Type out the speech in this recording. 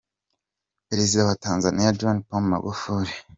Perezida wa Tanzaniya John Pombe Magufuli.